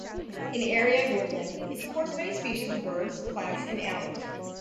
An area of woodland, it supports many species of birds, plants, and animals.